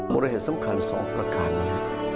บริเหตุสำคัญสองประการนี้